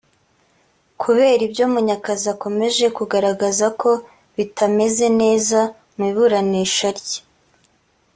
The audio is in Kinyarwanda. Kubera ibyo Munyakazi akomeje kugaragaza ko bitameze neza mu iburanisha rye